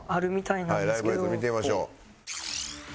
はいライブ映像見てみましょう。